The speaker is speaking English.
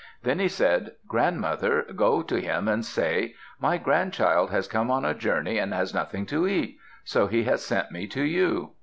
Then he said, "Grandmother, go to him and say, 'My grandchild has come on a journey and has nothing to eat; so he has sent me to you.'"